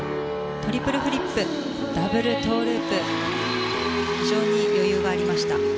トリプルフリップダブルトウループ非常に余裕がありました。